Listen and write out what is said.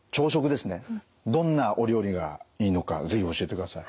どんなお料理がいいのか是非教えてください。